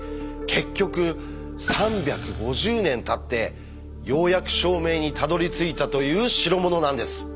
結局３５０年たってようやく証明にたどりついたという代物なんです。